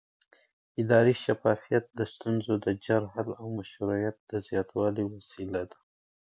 اداري شفافیت د ستونزو د ژر حل او مشروعیت د زیاتوالي وسیله ده